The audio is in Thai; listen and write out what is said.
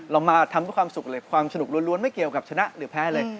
เรามาทำเพื่อความสุขเลยความสนุกล้วนไม่เกี่ยวกับชนะหรือแพ้เลย